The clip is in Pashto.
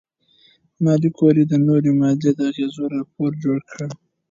ماري کوري د نوې ماده د اغېزو راپور جوړ کړ.